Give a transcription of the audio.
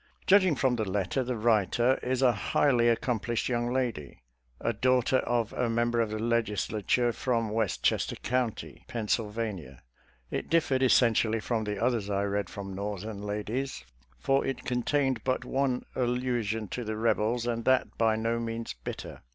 Judging from the letter, the writer is a highly accomplished young lady — a daughter of a mem ber of the Legislature from West Chester County, Pennsylvania. It differed essentially from the others I read from Northern ladies, for it con tained but one allusion to the Rebels, and that by no means bitter.